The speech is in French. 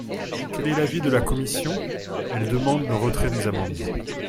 Quel est l’avis de la commission ? Elle demande le retrait des amendements.